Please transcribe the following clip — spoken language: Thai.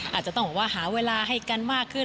อาจจะต้องหาเวลาให้กันมากขึ้น